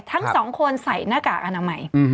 ทั้งสองคนใส่หน้ากากอนามัย